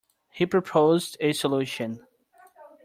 He proposed a solution.